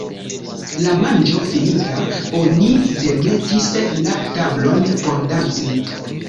La manĝo finita, oni demetis la tablon por danci.